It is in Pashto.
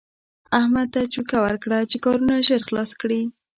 احمد ته چوکه ورکړه چې کارونه ژر خلاص کړي.